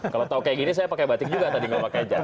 kalau tahu kayak gini saya pakai batik juga tadi nggak pakai jak